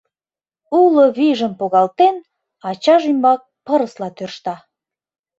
Уло вийжым погалтен, ачаж ӱмбак пырысла тӧршта.